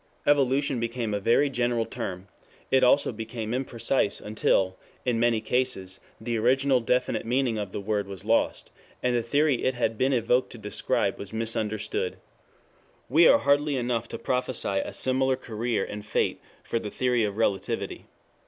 'Evolution' became a very general term; it also became imprecise until, in many cases, the original, definite meaning of the word was lost, and the theory it had been evoked to describe was misunderstood. We are hardy enough to prophesy a similar career and fate for the theory of Relativity.